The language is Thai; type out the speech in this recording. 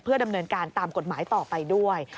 ดำเนินการตามกฎหมายต่อไปด้วย